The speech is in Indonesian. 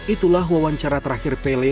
itulah wawancara terakhir pele